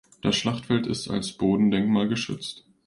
Das Schlachtfeld ist als Bodendenkmal geschützt.